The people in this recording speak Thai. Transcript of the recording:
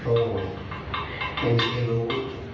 โอ้โหไม่รู้